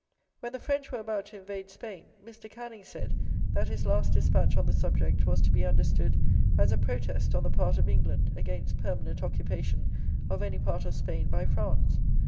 When the French were about to invade Spain, Mr. Canning said that his last despatch on the subject was to be understood as a protest on the part of England against permanent occupation of any part of Spain by France.